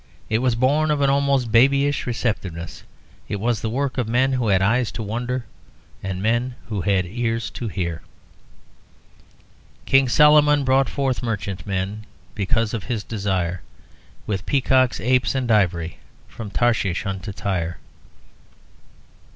It was born of an almost babyish receptiveness; it was the work of men who had eyes to wonder and men who had ears to hear. "King Solomon brought merchant men Because of his desire With peacocks, apes, and ivory, From Tarshish unto Tyre."